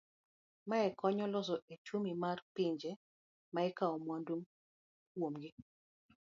Mae konyo e loso uchumi mar pinje ma ikawo mwandu kuom gi.